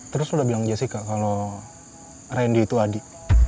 terus lu udah bilang ke jessy kak kalau randy itu adi